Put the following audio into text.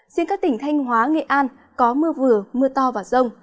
riêng các tỉnh thanh hóa nghệ an có mưa vừa mưa to và rông